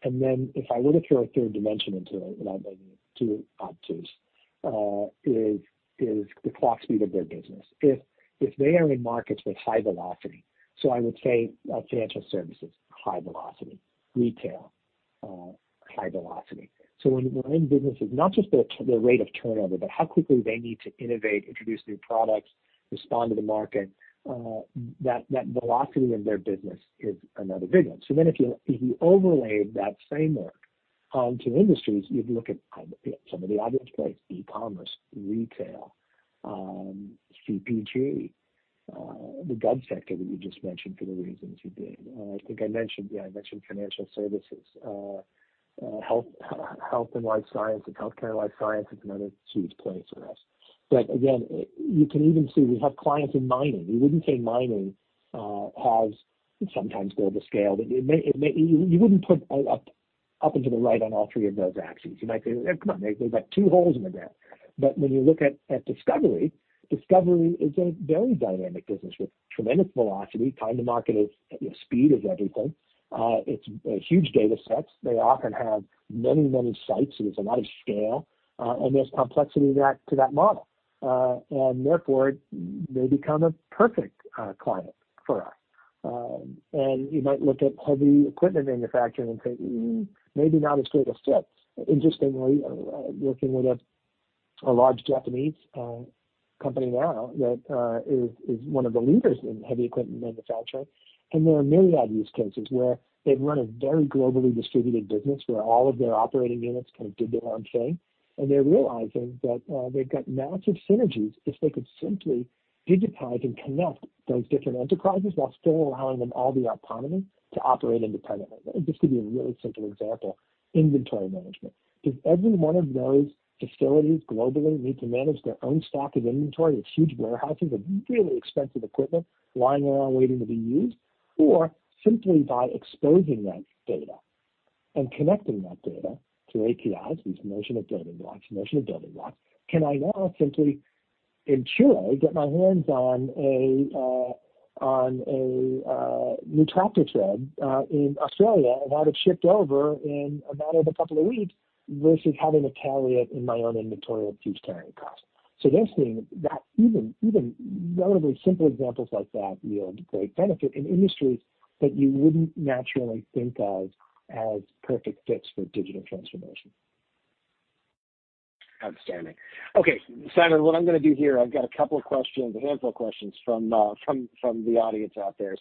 [SPEAKER 3] If I were to throw a third dimension into it, and I'll name two axes, is the clock speed of their business. If they are in markets with high velocity, I would say financial services, high velocity. Retail, high velocity. When we're in businesses, not just their rate of turnover, but how quickly they need to innovate, introduce new products, respond to the market, that velocity of their business is another big one. If you overlaid that framework onto industries, you'd look at some of the obvious plays, e-commerce, retail, CPG, the gov sector that you just mentioned for the reasons you gave. I think I mentioned, yeah, I mentioned financial services. Health and life science, healthcare life science is another huge play for us. Again, you can even see we have clients in mining. You wouldn't say mining has sometimes global scale. You wouldn't put up into the right on all three of those axes. You might say, "Come on, they've got two holes in the ground." When you look at discovery is a very dynamic business with tremendous velocity. Time to market is speed is everything. It's huge data sets. They often have many sites, so there's a lot of scale. There's complexity to that model. Therefore, they become a perfect client for us. You might look at heavy equipment manufacturing and think, maybe not as great a fit. Interestingly, working with a large Japanese company now that is one of the leaders in heavy equipment manufacturing, and there are myriad use cases where they've run a very globally distributed business where all of their operating units kind of did their own thing. They're realizing that they've got massive synergies if they could simply digitize and connect those different enterprises while still allowing them all the autonomy to operate independently. Just to give you a really simple example, inventory management. Does every one of those facilities globally need to manage their own stock of inventory with huge warehouses of really expensive equipment lying around waiting to be used? Simply by exposing that data and connecting that data to APIs, these notion of building blocks, can I now simply in Chile get my hands on a new tractor tread in Australia and have it shipped over in a matter of a couple of weeks versus having to carry it in my own inventory at huge carrying costs? They're seeing that even relatively simple examples like that yield great benefit in industries that you wouldn't naturally think of as perfect fits for digital transformation.
[SPEAKER 2] Outstanding. Okay, Simon Parmeter, what I'm going to do here, I've got a couple of questions, a handful of questions from the audience out there.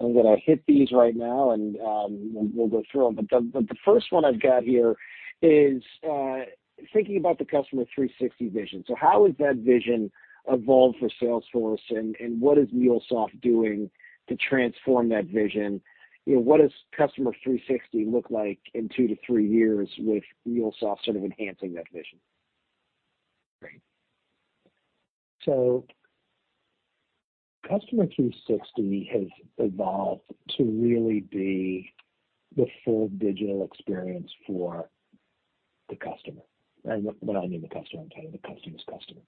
[SPEAKER 2] I'm going to hit these right now, and we'll go through them. The first one I've got here is thinking about the Customer 360 vision. How has that vision evolved for Salesforce, and what is MuleSoft doing to transform that vision? What does Customer 360 look like in two to three years with MuleSoft sort of enhancing that vision?
[SPEAKER 3] Great. Customer 360 has evolved to really be the full digital experience for the customer. When I mean the customer, I'm talking the customer's customer.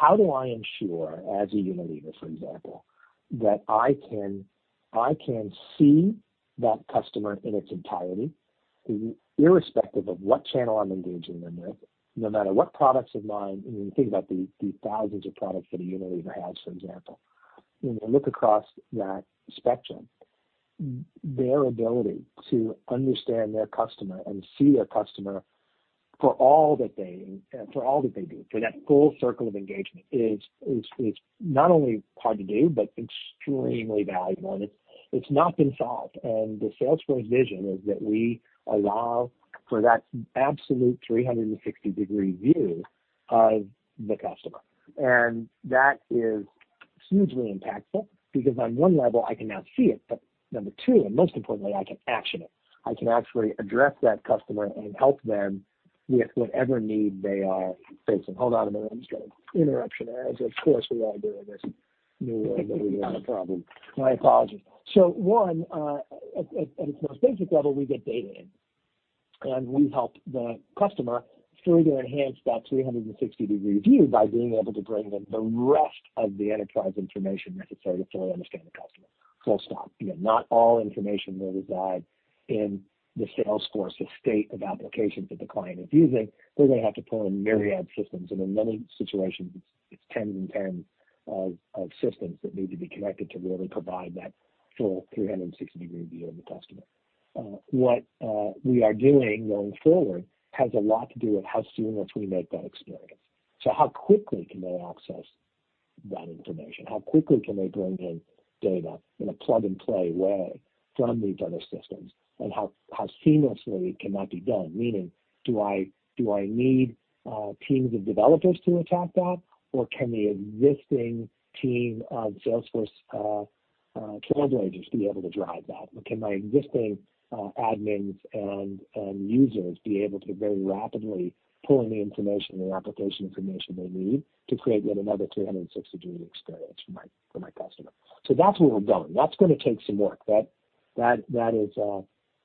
[SPEAKER 3] How do I ensure, as a Unilever, for example, that I can see that customer in its entirety, irrespective of what channel I'm engaging them with, no matter what products of mine, when you think about the thousands of products that a Unilever has, for example. When you look across that spectrum, their ability to understand their customer and see their customer for all that they do, for that full circle of engagement, is not only hard to do, but extremely valuable. It's not been solved. The Salesforce vision is that we allow for that absolute 360-degree view of the customer. That is hugely impactful because on one level, I can now see it. Number 2, and most importantly, I can action it. I can actually address that customer and help them with whatever need they are facing. Hold on a minute. I'm just getting an interruption there, as of course we all do in this new world that we live in. I have a problem. My apologies. 1, at its most basic level, we get data in, and we help the customer further enhance that 360-degree view by being able to bring them the rest of the enterprise information necessary to fully understand the customer, full stop. Not all information will reside in the Salesforce estate of applications that the client is using. They're going to have to pull in myriad systems. In many situations, it's 10 and 10 of systems that need to be connected to really provide that full 360-degree view of the customer. What we are doing going forward has a lot to do with how seamlessly we make that experience. How quickly can they access that information? How quickly can they bring in data in a plug-and-play way from these other systems? How seamlessly can that be done? Meaning, do I need teams of developers to attack that, or can the existing team of Salesforce trail blazers be able to drive that? Can my existing admins and users be able to very rapidly pull in the information and the application information they need to create yet another 360-degree experience for my customer. That's where we're going. That's going to take some work.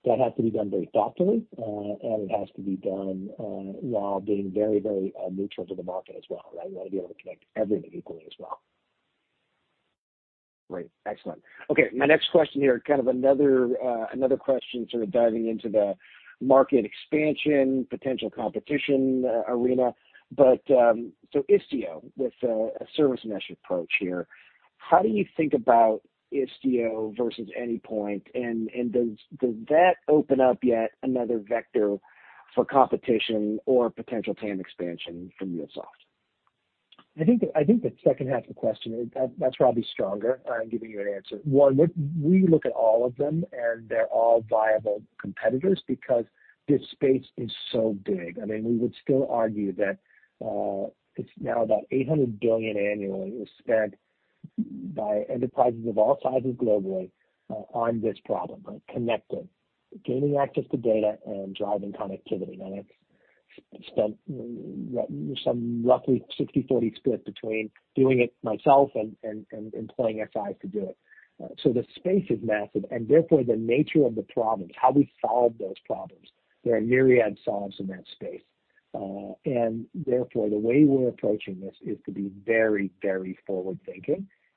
[SPEAKER 3] That has to be done very thoughtfully, and it has to be done while being very neutral to the market as well, right? We want to be able to connect everything equally as well.
[SPEAKER 2] Great. Excellent. Okay, my next question here, kind of another question sort of diving into the market expansion, potential competition arena. Istio with a service mesh approach here, how do you think about Istio versus Anypoint Platform? Does that open up yet another vector for competition or potential TAM expansion for MuleSoft?
[SPEAKER 3] I think the second half of the question, that's probably stronger giving you an answer. One, we look at all of them, and they're all viable competitors because this space is so big. I mean, we would still argue that it's now about $800 billion annually is spent by enterprises of all sizes globally on this problem, right? Connecting, gaining access to data, and driving connectivity. It's spent some roughly 60/40 split between doing it myself and employing SIs to do it. The space is massive, and therefore, the nature of the problems, how we solve those problems, there are myriad solves in that space. Therefore, the way we're approaching this is to be very, very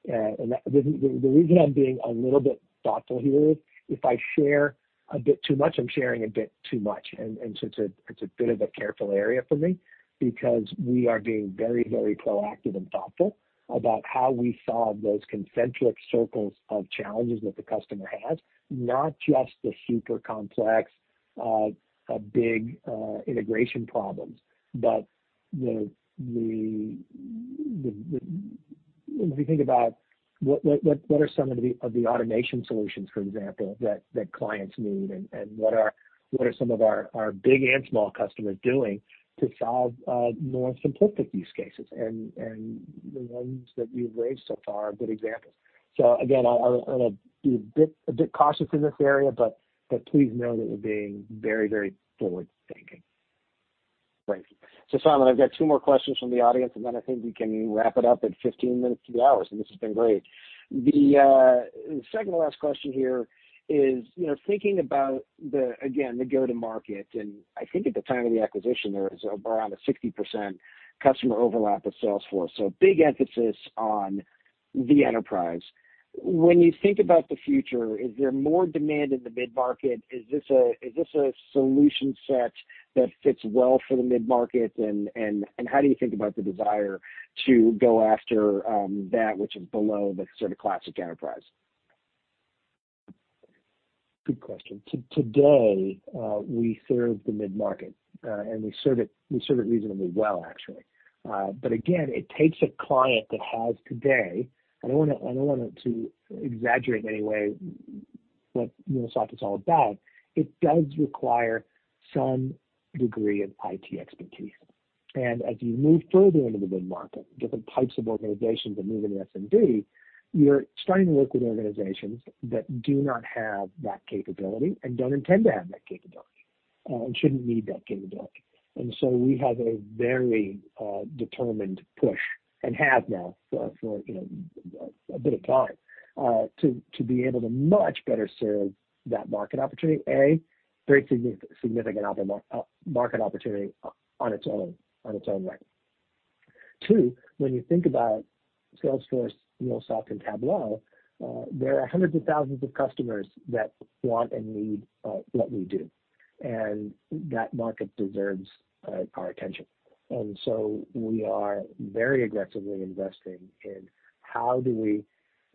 [SPEAKER 3] forward-thinking. The reason I'm being a little bit thoughtful here is if I share a bit too much, I'm sharing a bit too much. It's a bit of a careful area for me because we are being very, very proactive and thoughtful about how we solve those concentric circles of challenges that the customer has, not just the super complex, big integration problems. If you think about what are some of the automation solutions, for example, that clients need, and what are some of our big and small customers doing to solve more simplistic use cases? The ones that you've raised so far are good examples. Again, I'm going to be a bit cautious in this area, but please know that we're being very, very forward-thinking.
[SPEAKER 2] Thank you. Simon, I've got two more questions from the audience, and then I think we can wrap it up at 15 minutes to the hour. This has been great. The second to last question here is, thinking about the, again, the go-to market, and I think at the time of the acquisition, there was around a 60% customer overlap with Salesforce, so big emphasis on the enterprise. When you think about the future, is there more demand in the mid-market? Is this a solution set that fits well for the mid-market? How do you think about the desire to go after that which is below the sort of classic enterprise?
[SPEAKER 3] Good question. Today, we serve the mid-market, and we serve it reasonably well, actually. Again, it takes a client that has today-- I don't want to exaggerate in any way what MuleSoft is all about. It does require some degree of IT expertise. As you move further into the mid-market, different types of organizations that move into SMB, you're starting to work with organizations that do not have that capability and don't intend to have that capability, and shouldn't need that capability. We have a very determined push, and have now for a bit of time, to be able to much better serve that market opportunity, A, very significant market opportunity on its own right. Two, when you think about Salesforce, MuleSoft and Tableau, there are hundreds of thousands of customers that want and need what we do, and that market deserves our attention. We are very aggressively investing in how do we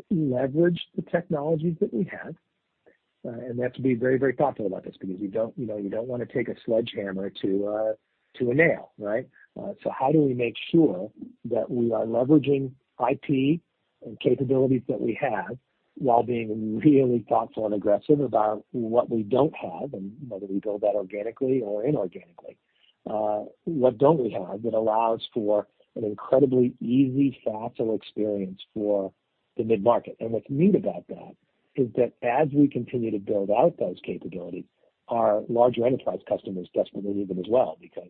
[SPEAKER 3] leverage the technologies that we have? We have to be very, very thoughtful about this because you don't want to take a sledgehammer to a nail, right? How do we make sure that we are leveraging IT and capabilities that we have while being really thoughtful and aggressive about what we don't have, and whether we build that organically or inorganically. What don't we have that allows for an incredibly easy, facile experience for the mid-market? What's neat about that is that as we continue to build out those capabilities, our larger enterprise customers desperately need them as well, because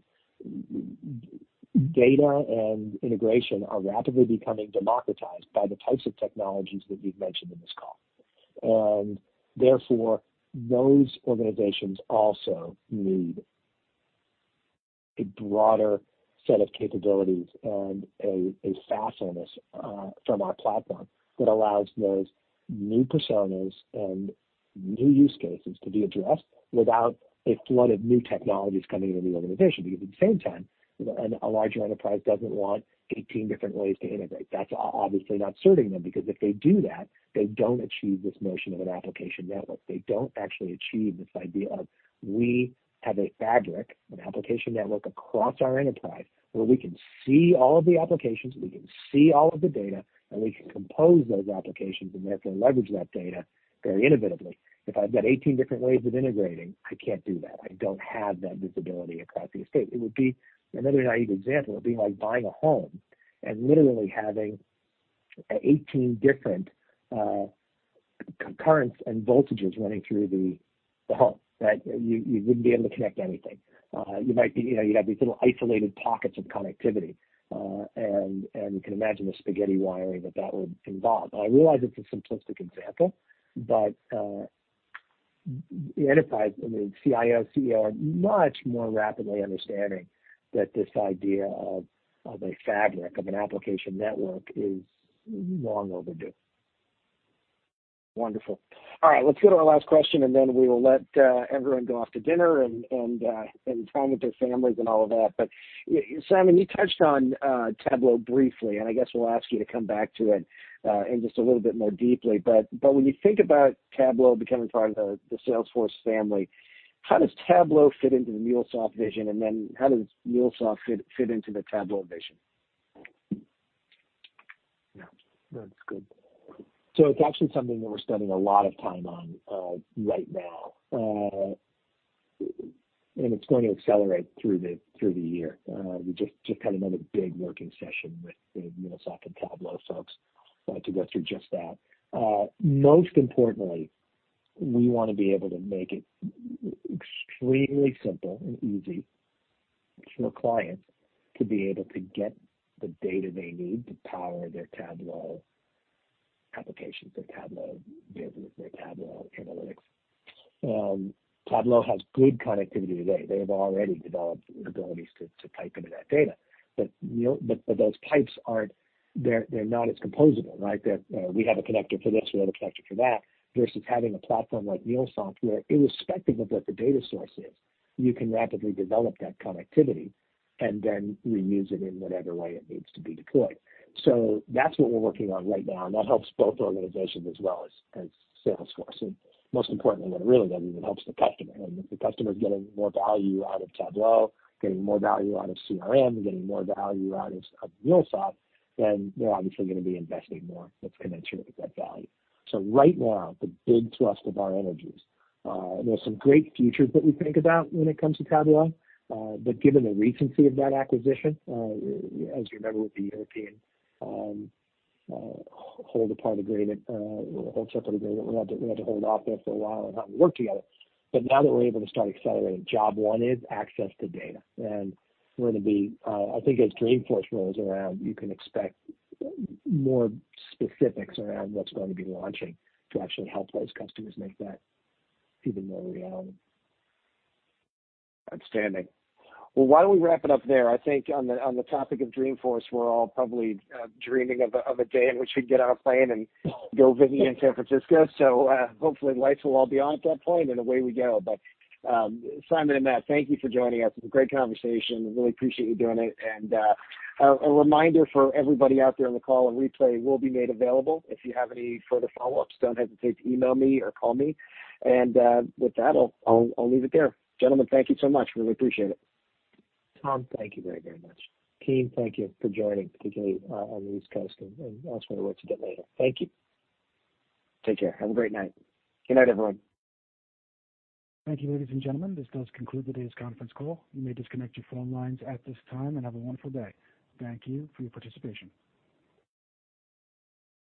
[SPEAKER 3] data and integration are rapidly becoming democratized by the types of technologies that we've mentioned in this call. Therefore, those organizations also need a broader set of capabilities and a facileness from our platform that allows those new personas and new use cases to be addressed without a flood of new technologies coming into the organization. At the same time, a larger enterprise doesn't want 18 different ways to integrate. That's obviously not serving them, because if they do that, they don't achieve this notion of an application network. They don't actually achieve this idea of we have a fabric, an application network across our enterprise where we can see all of the applications, we can see all of the data, and we can compose those applications and therefore leverage that data very innovatively. If I've got 18 different ways of integrating, I can't do that. I don't have that visibility across the estate. It would be, another naive example, it would be like buying a home and literally having 18 different currents and voltages running through the home. You wouldn't be able to connect anything. You'd have these little isolated pockets of connectivity, and you can imagine the spaghetti wiring that that would involve. I realize it's a simplistic example, but the enterprise, the CIO, CEO, are much more rapidly understanding that this idea of a fabric, of an application network is long overdue.
[SPEAKER 2] Wonderful. All right. Let's go to our last question, and then we will let everyone go off to dinner and time with their families and all of that. Simon, you touched on Tableau briefly, and I guess we'll ask you to come back to it in just a little bit more deeply. When you think about Tableau becoming part of the Salesforce family, how does Tableau fit into the MuleSoft vision? How does MuleSoft fit into the Tableau vision?
[SPEAKER 3] Yeah. That's good. It's actually something that we're spending a lot of time on right now. It's going to accelerate through the year. We just had another big working session with the MuleSoft and Tableau folks to go through just that. Most importantly, we want to be able to make it extremely simple and easy for clients to be able to get the data they need to power their Tableau applications, their Tableau business, their Tableau analytics. Tableau has good connectivity today. They have already developed abilities to pipe into that data. Those pipes, they're not as composable, right? We have a connector for this, we have a connector for that, versus having a platform like MuleSoft where irrespective of what the data source is, you can rapidly develop that connectivity and then reuse it in whatever way it needs to be deployed. That's what we're working on right now, and that helps both organizations as well as Salesforce. Most importantly, really, that even helps the customer. If the customer's getting more value out of Tableau, getting more value out of CRM, getting more value out of MuleSoft, then they're obviously going to be investing more that's commensurate with that value. Right now, the big thrust of our energies, there's some great futures that we think about when it comes to Tableau. Given the recency of that acquisition, as you remember, with the European hold separate agreement, we had to hold off there for a while on how we work together. Now that we're able to start accelerating, job one is access to data. We're going to be, I think as Dreamforce rolls around, you can expect more specifics around what's going to be launching to actually help those customers make that even more reality.
[SPEAKER 2] Outstanding. Well, why don't we wrap it up there? I think on the topic of Dreamforce, we're all probably dreaming of a day in which we get on a plane and go visit you in San Francisco. Hopefully lights will all be on at that point, and away we go. Simon and Mike, thank you for joining us. Great conversation. Really appreciate you doing it. A reminder for everybody out there on the call, a replay will be made available. If you have any further follow-ups, don't hesitate to email me or call me. With that, I'll leave it there. Gentlemen, thank you so much. Really appreciate it.
[SPEAKER 3] Tom, thank you very, very much. Keith, thank you for joining, particularly on the East Coast, and elsewhere to work together later. Thank you.
[SPEAKER 2] Take care. Have a great night. Good night, everyone.
[SPEAKER 1] Thank you, ladies and gentlemen, this does conclude today's conference call. You may disconnect your phone lines at this time, and have a wonderful day. Thank you for your participation.